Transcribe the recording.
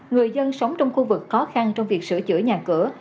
người dân sống trong khu vực khó khăn trong việc sửa chữa nhà cửa